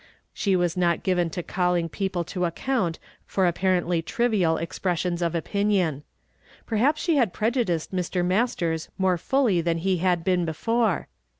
She was not given to calling people to account for apparently trivial expres sions of opinion. Perhaps she had prejudiced Mr. Mastei's more fully than he had been before.